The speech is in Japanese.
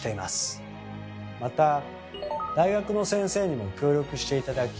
また大学の先生にも協力して頂き